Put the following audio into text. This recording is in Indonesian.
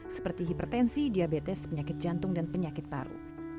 seperti hipertensi diabetes penyakit jantung dan penyakit paru